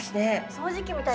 掃除機みたい。